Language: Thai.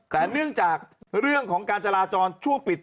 แต่เนื่องจากเรื่องของการจราจรชั่วปิด